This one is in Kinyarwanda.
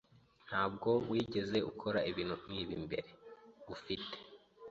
Ntabwo wigeze ukora ibintu nkibi mbere, ufite?